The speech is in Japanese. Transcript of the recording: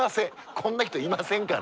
こんな人いませんから。